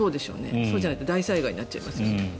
そうじゃないと大災害になっちゃいますので。